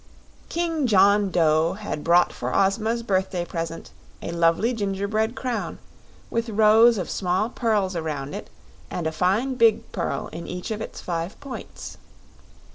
King John Dough had brought for Ozma's birthday present a lovely gingerbread crown, with rows of small pearls around it and a fine big pearl in each of its five points.